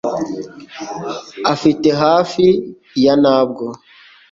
Afite hafi ya ntabwo